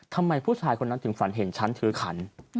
ทำไมผู้ชายคนนั้นถึงฝันเห็นฉันถือขัน